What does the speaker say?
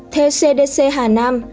theo cdc hà nam